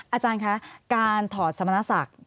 อาจารย์คะการถอดสมณศักดิ์